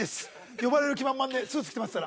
呼ばれる気満々でスーツ着て待ってたら。